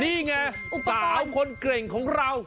นี่แงอุปกรณ์สาวคนเกร็งของเรา